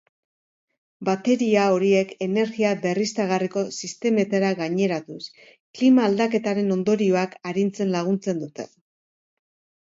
Bateria horiek energia berriztagarriko sistemetara gaineratuz, klima-aldaketaren ondorioak arintzen laguntzen dute.